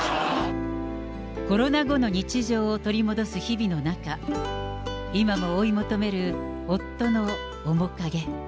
コロナ後の日常を取り戻す日々の中、今も追い求める夫の面影。